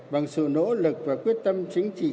bằng sự nỗ lực và quyết tâm chính trị